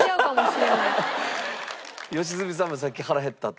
良純さんもさっき腹減ったと。